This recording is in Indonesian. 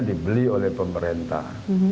dibeli oleh pemerintah